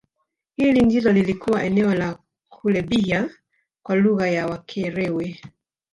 Hili ndilo lilikuwa eneo la Kulebhiya kwa lugha ya Wakerewe